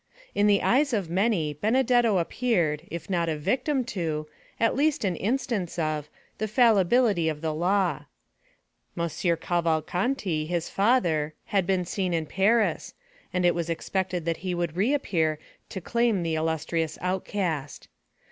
In the eyes of many, Benedetto appeared, if not a victim to, at least an instance of, the fallibility of the law. M. Cavalcanti, his father, had been seen in Paris, and it was expected that he would re appear to claim the illustrious outcast.